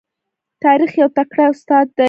تاریخ یو تکړه استاد دی.